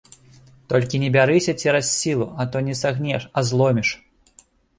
Толькі не бярыся цераз сілу, а то не сагнеш, а зломіш.